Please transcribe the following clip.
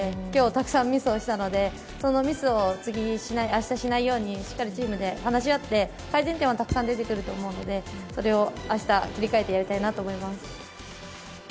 今日たくさんミスをしたのでそのミスを明日しないようにしっかりチームで話し合って改善点はたくさん出てくると思うのでそれを明日、切り替えてやりたいなと思います。